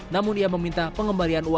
namun ia meminta pengembaliannya